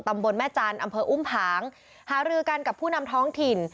ตำบลแม่จันทร์อำเภออุ้มผางหารือกันกับผู้นำท้องถิ่น